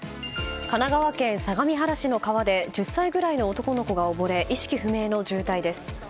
神奈川県相模原市の川で１０歳ぐらいの男の子が溺れ意識不明の重体です。